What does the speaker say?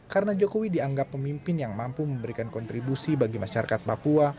karena jokowi dianggap pemimpin yang mampu memberikan kontribusi bagi masyarakat papua